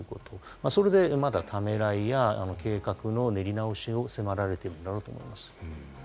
それでまだためらいや計画の練り直しを迫られているんだろうと思います。